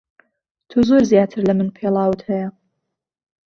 تۆ زۆر زیاتر لە من پێڵاوت ھەیە.